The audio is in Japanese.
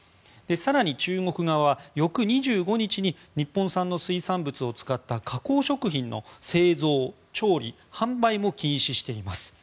更に中国側は翌２５日に日本産の水産物を使った加工食品の製造・調理・販売も禁止しています。